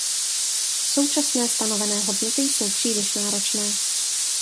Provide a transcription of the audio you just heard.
Současné stanovené hodnoty jsou příliš náročné.